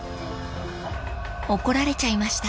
［怒られちゃいました］